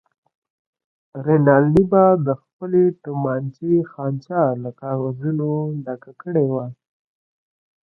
رینالډي به د خپلې تومانچې خانچه له کاغذونو ډکه کړې وه.